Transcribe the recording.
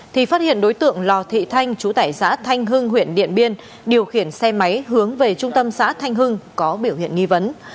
thì phát hiện đối tượng lò thị thanh chú tải xã thanh hưng huyện điện biên điều khiển xe máy hướng về trung tâm xã thanh hưng có biểu hiện nghi vấn